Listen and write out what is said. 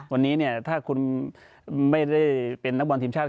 วันนี้เนี่ยถ้าคุณไม่ได้เป็นนักบอลทีมชาติ